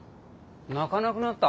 鳴かなくなった？